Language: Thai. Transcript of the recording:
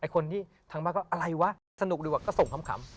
คนที่ทางบ้านก็อะไรวะสนุกดีกว่าก็ส่งขำ